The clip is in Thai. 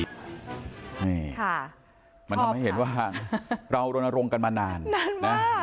นี่ค่ะชอบค่ะมันทำให้เห็นว่าเราโรนโรงกันมานานนานมาก